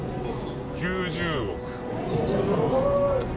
９０億